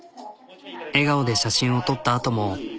笑顔で写真を撮ったあとも。